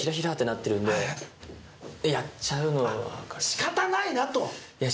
仕方ないなと？